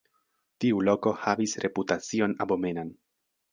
Tiu loko havis reputacion abomenan.